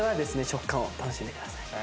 食感を楽しんでください。